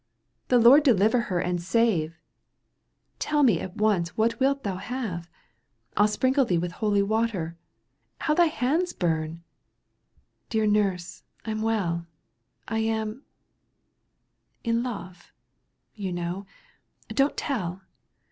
— The Lord deliver her and save ! Tell me at once what wilt thou have ? I'll sprinkle thee with holy water. — How thy hands bum !"— "Dear nurse, Fm welL I am — ^in love — ^you know — don't tell